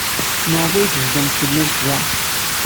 Maɣef ay tezgamt tellamt da?